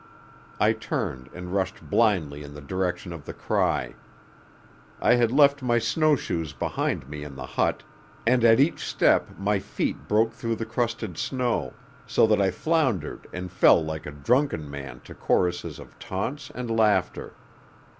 I turned and rushed blindly in the direction of the cry. I had left my snow shoes behind me in the hut, and at each step my feet broke through the crusted snow, so that I floundered and fell like a drunken man to choruses of taunts and laughter.